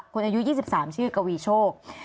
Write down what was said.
อายุ๒๓ชื่อกวีโชค